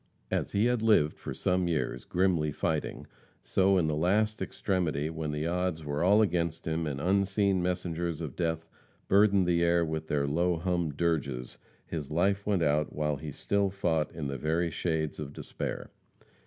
As he had lived for some years, grimly fighting, so in the last extremity when the odds were all against him and unseen messengers of death burdened the air with their low hummed dirges, his life went out while he still fought in the very shades of despair.